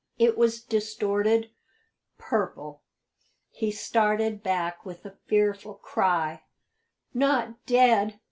It was distorted, purple. He started back with a fearful cry: "Not dead!